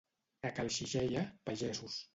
A cal Xixella, pagesos.